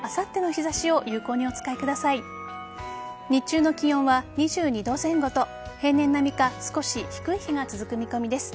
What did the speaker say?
日中の気温は２２度前後と平年並みか少し低い日が続く見込みです。